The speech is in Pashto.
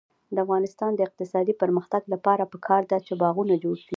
د افغانستان د اقتصادي پرمختګ لپاره پکار ده چې باغونه جوړ شي.